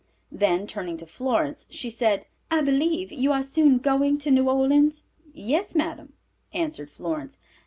Then turning to Florence, she said, "I believe you are soon going to New Orleans?" "Yes, madam," answered Florence.